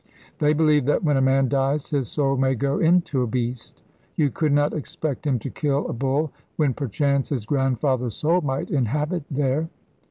They believe that when a man dies his soul may go into a beast. You could not expect him to kill a bull, when perchance his grandfather's soul might inhabit there.'